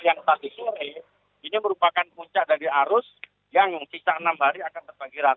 yang tadi sore ini merupakan puncak dari arus yang sisa enam hari akan terbagi rata